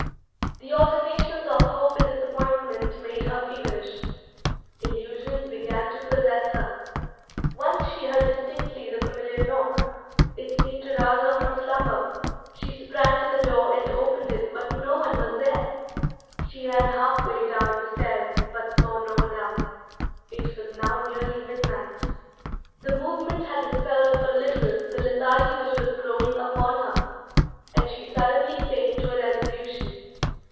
The alternations of hope and disappointment made her feverish. Illusions began to possess her. Once she heard distinctly the familiar knock. It seemed to rouse her from slumber: she sprang to the door and opened it, but no one was there. She ran half way down the stairs, but saw no one. It was now nearly midnight. The movement had dispelled for a little the lethargy which was growing upon her, and she suddenly came to a resolution.